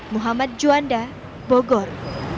muhammad juanda bogor